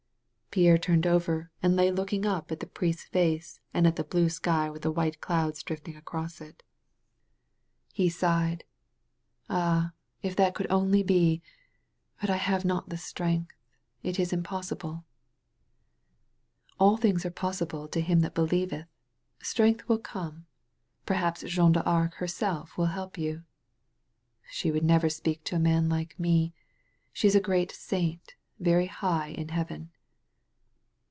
Pierre turned over and lay looking up at the 117 THE VALLEY OF VISION priest's face and at the blue sky with white doads drifting across it. He si^ed. ^'Ah, if that could only be! But I have not the strength. Itisimpos sibk." *'AII things are possible to him that believeth. Strength will come. Perhaps Jeanne d*Arc herself will help you." ''She would never speak to a man like me. She is a great saint, very hi^ in heaven.